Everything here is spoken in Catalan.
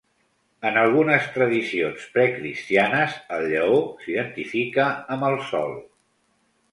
En algunes tradicions precristianes, el lleó s'identifica amb el Sol.